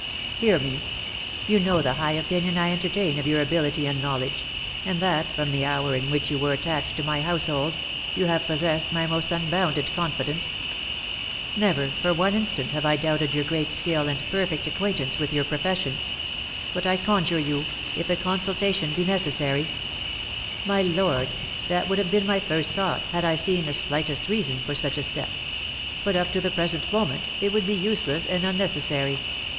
"Hear me. You know the high opinion I entertain of your ability and knowledge, and that, from the hour in which you were attached to my household, you have possessed my most unbounded confidence, never, for one instant, have I doubted your great skill and perfect acquaintance with your profession; but I conjure you, if a consultation be necessary " "My lord, that would have been my first thought, had I seen the slightest reason for such a step; but, up to the present moment, it would be both useless and unnecessary.